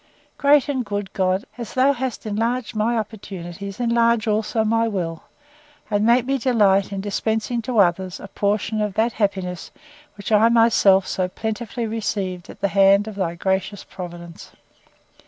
Great and good God! as thou hast enlarged my opportunities, enlarge also my will, and make me delight in dispensing to others a portion of that happiness, which I have myself so plentifully received at the hand of thy gracious Providence!